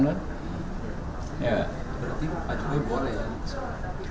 berarti pak jokowi boleh ya